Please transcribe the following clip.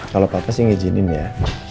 kalau papa sih ngizinin ya